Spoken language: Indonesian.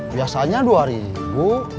biasanya dua ribu